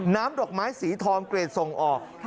น้ำดอกไม้สีทองเกรดส่งออก